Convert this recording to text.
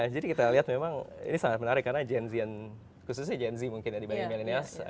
jadi kita lihat memang ini sangat menarik karena gen z khususnya gen z dibanding millenials